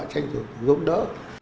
tranh thủ được gốc đỡ